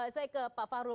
saya ke pak fahrul